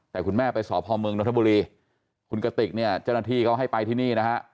แต่คุณแม่ไปสพเมืองนทบุรีคุณกติกเนี่ยเจ้าหน้าที่เขาให้ไปที่นี่นะฮะ